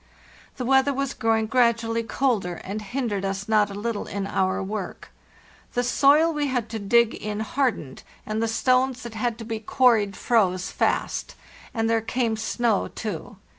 The weather was erowing gradually colder, and hindered us not a little in our work. The soil we had to dig in hardened, and the LAND AT LAST 4II stones that had to be quarried froze fast; and there came snow too.